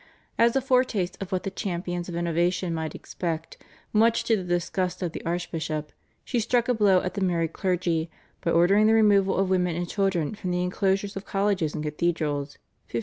As a foretaste of what the champions of innovation might expect, much to the disgust of the archbishop, she struck a blow at the married clergy by ordering the removal of women and children from the enclosures of colleges and cathedrals (1561).